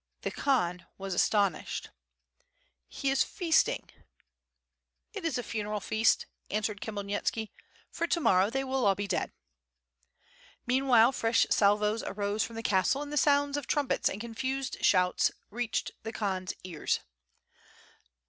The Khan was astonished. "He is feasting?" "It is a funeral feast," answered Khmyelnitski, "for to» morrow they will all be dead." Meanwhile fresh salvos arose from the castle and the sounds of trumpets and confused shouts shouts reached the Khan's ears.